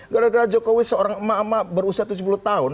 gara gara jokowi seorang emak emak berusia tujuh puluh tahun